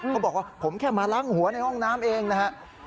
เขาบอกว่าผมแค่มาล้างหัวในห้องน้ำเองนะครับ